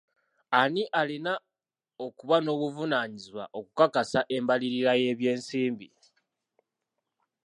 Ani alina okuba n'obuvunaanyizibwa okukakasa embalirira y'ebyensimbi?